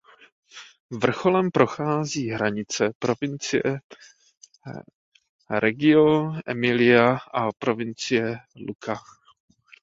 Vrcholem prochází hranice Provincie Reggio Emilia a Provincie Lucca.